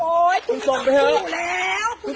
คลิปผมก็มีส่งให้สถานมันเปลืองบอน